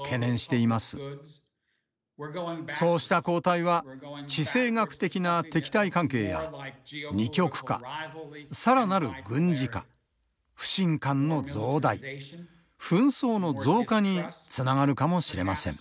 そうした後退は地政学的な敵対関係や二極化更なる軍事化不信感の増大紛争の増加につながるかもしれません。